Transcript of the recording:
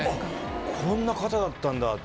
こんな方だったんだって。